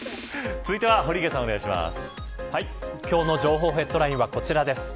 今日の情報ヘッドラインはこちらです。